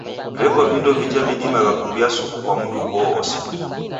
Veko vindo vija vidimagha kuw'uya sumu kwa mndu uowose.